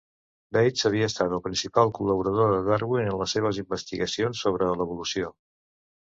Bates havia estat el principal col·laborador de Darwin en les seves investigacions sobre l'evolució.